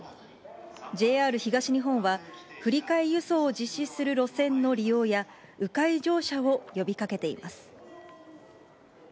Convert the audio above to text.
ＪＲ東日本は、振り替え輸送を実施する路線の利用や、う回乗車を呼びかけています。